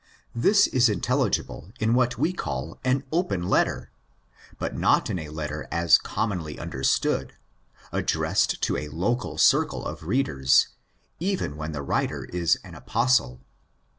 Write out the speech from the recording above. This is intelligible in what we call an '"' open letter," but not in a letter as commonly understood, addressed to a local circle of readers, even when the writer is an Apostle.